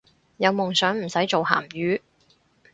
有夢想唔使做鹹魚